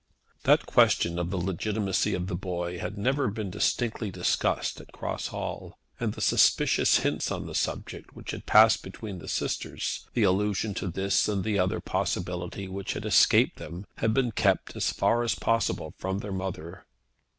That question of the legitimacy of the boy had never been distinctly discussed at Cross Hall, and the suspicious hints on the subject which had passed between the sisters, the allusions to this and the other possibility which had escaped them, had been kept as far as possible from their mother.